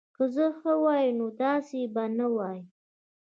که زه ښه وای نو داسی به نه وای